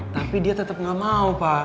tapi dia tetap nggak mau pak